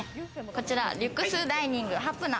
こちら、リュクスダイニン